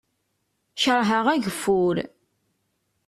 Kerheɣ ageffur.